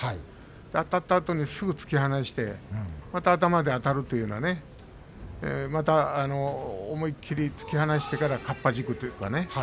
あたったあとにすぐに突き放してまた頭であたるというまた思い切り突き放してからかっぱじくというかね。